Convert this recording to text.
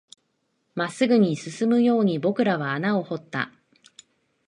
真っ直ぐに進むように僕らは穴を掘った